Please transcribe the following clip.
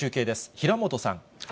平本さん。